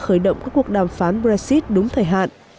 khởi động các cuộc đàm phán brexit đúng thời hạn